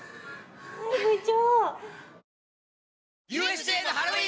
はい部長。